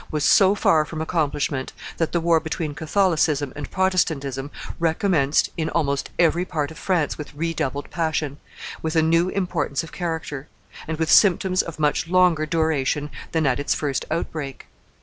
was so far from accomplishment that the war between Catholicism and Protestantism recommenced in almost every part of France with redoubled passion, with a new importance of character, and with symptoms of much longer duration than at its first outbreak.